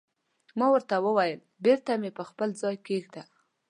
ما ورته وویل: بېرته یې پر خپل ځای کېږده.